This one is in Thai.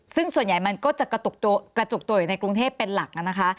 ซึ่งส่วนใหญ่มันก็จะกระจุกตัวอยู่ในกรุงเทพเป็นหลักนะคะ